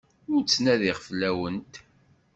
Ur ttnadiɣ fell-awent.